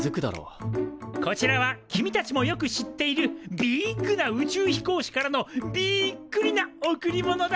こちらは君たちもよく知っているビッグな宇宙飛行士からのビックリな贈り物だ。